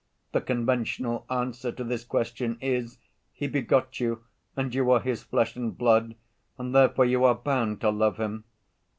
The conventional answer to this question is: 'He begot you, and you are his flesh and blood, and therefore you are bound to love him.